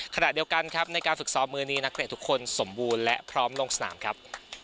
ขณะเดียวกันครับในการฝึกซ้อมมือนี้นักเตะทุกคนสมบูรณ์และพร้อมลงสนามครับ